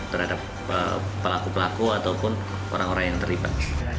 terhadap pelaku pelaku ataupun orang orang yang terlibat